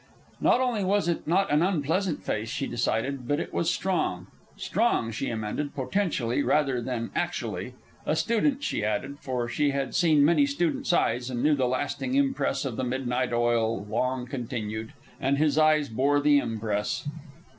And not only was it not an unpleasant face, she decided, but it was strong. Strong, she amended, potentially rather than actually. A student, she added, for she had seen many students' eyes and knew the lasting impress of the midnight oil long continued; and his eyes bore the impress.